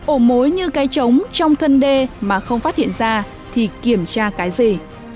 ổ mối như cây trống trong thân đê mà không phát hiện ra thì kiểm tra cái gì